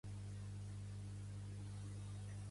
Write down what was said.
Porga el gra a l'era.